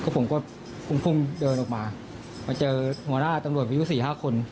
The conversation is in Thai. ผมก็พุ่งเดินออกมามาเจอหัวหน้าตำรวจอายุ๔๕คน